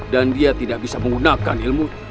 dan dia tidak bisa menggunakan ilmu